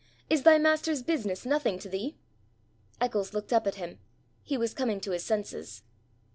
Is thy master's business nothing to thee?' Eccles looked up at him. He was coming to his senses.